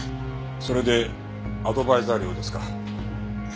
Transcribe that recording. それでアドバイザー料ですか。